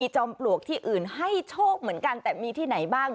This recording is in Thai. จอมปลวกที่อื่นให้โชคเหมือนกันแต่มีที่ไหนบ้าง